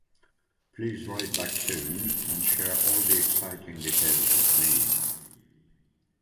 Please write back soon and share all the exciting details with me.